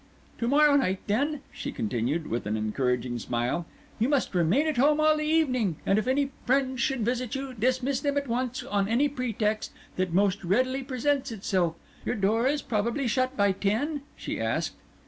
"To morrow night, then," she continued, with an encouraging smile, "you must remain at home all the evening; and if any friends should visit you, dismiss them at once on any pretext that most readily presents itself. Your door is probably shut by ten?" she asked.